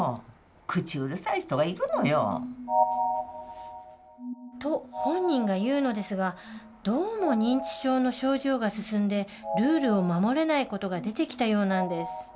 口うるさい人がいるのよ。と本人が言うのですがどうも認知症の症状が進んでルールを守れない事が出てきたようなんです。